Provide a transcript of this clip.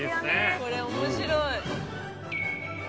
これ面白い。